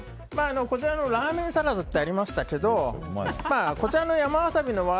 こちら、ラーメンサラダってありましたけどこちらの山わさび